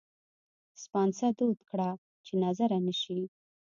سپانځه دود کړه چې نظره نه شي.